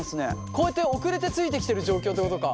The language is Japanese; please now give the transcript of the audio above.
こうやって遅れてついてきてる状況ってことか。